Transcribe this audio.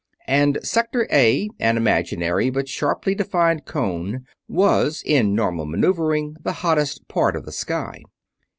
And Sector A, an imaginary but sharply defined cone, was in normal maneuvering the hottest part of the sky.